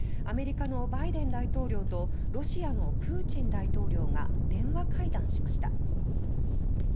アメリカのバイデン大統領とロシアのプーチン大統領が電話会談しました。